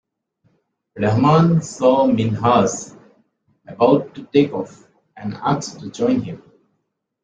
Rahman saw Minhas about to take off and asked to join him.